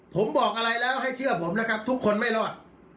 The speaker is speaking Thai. ผมบอกอะไรแล้วให้เชื่อผมนะครับทุกคนไม่รอด